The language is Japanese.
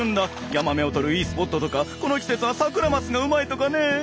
ヤマメをとるいいスポットとかこの季節はサクラマスがうまいとかね。